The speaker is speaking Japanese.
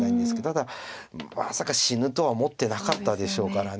ただまさか死ぬとは思ってなかったでしょうから。